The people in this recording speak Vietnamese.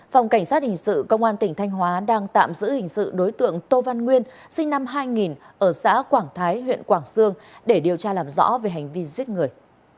phòng cảnh sát hình sự công an tỉnh thanh hóa đang tạm giữ hình sự đối tượng tô văn nguyên sinh năm hai nghìn ở xã quảng thái huyện quảng sương để điều tra làm rõ về hành vi giết người